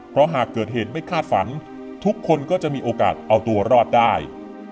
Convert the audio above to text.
เพราะหากเกิดเหตุไม่คาดฝันทุกคนก็จะมีโอกาสเอาตัวรอดได้